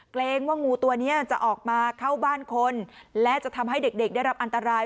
เกรงว่างูตัวนี้จะออกมาเข้าบ้านคนและจะทำให้เด็กได้รับอันตราย